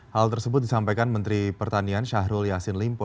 hal tersebut disampaikan menteri pertanian syahrul yassin limpo